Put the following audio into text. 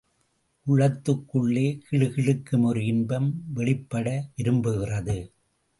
உள்ளத்துக்குள்ளே கிளுகிளுக்கும் ஒரு இன்பம் வெளிப்பட விரும்புகிறது.